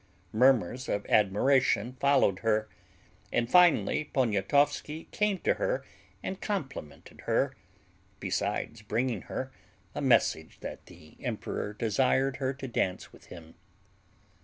Murmurs of admiration followed her, and finally Poniatowski came to her and complimented her, besides bringing her a message that the emperor desired her to dance with him.